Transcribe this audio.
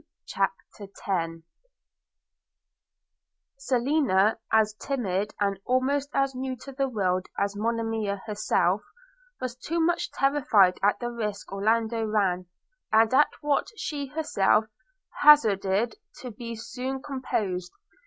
CHAPTER X SELINA, as timid, and almost as new to the world as Monimia herself, was too much terrified at the risk Orlando ran, and at what she herself hazarded, to be soon composed.